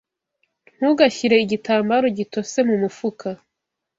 Ntugashyire igitambaro gitose mumufuka.